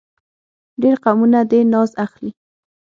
ډېر قومونه دې ناز اخلي.